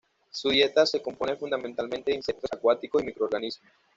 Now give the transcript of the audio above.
Su dieta se compone fundamentalmente de insectos acuáticos y microorganismos.